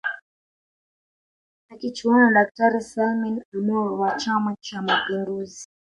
Akichuana na daktari Salmin Amour wa chama cha mapinduzi